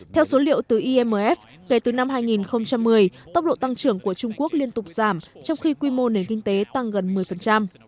theo số liệu từ imf kể từ năm hai nghìn một mươi tốc độ tăng trưởng của trung quốc liên tục giảm trong khi quy mô nền kinh tế tăng gần một mươi